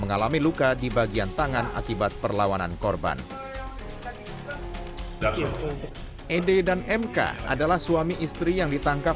mengalami luka di bagian tangan akibat perlawanan korban ed dan mk adalah suami istri yang ditangkap